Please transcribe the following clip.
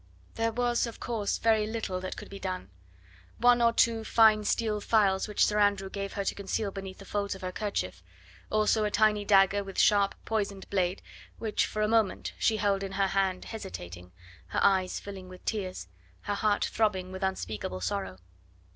There was, of course, very little that could be done. One or two fine steel files which Sir Andrew gave her to conceal beneath the folds of her kerchief; also a tiny dagger with sharp, poisoned blade, which for a moment she held in her hand hesitating, her eyes filling with tears, her heart throbbing with unspeakable sorrow.